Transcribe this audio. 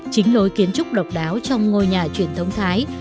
chính lối kiến trúc độc đáo trong ngôi nhà truyền thống thái